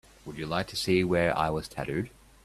Would you like to see where I was tattooed?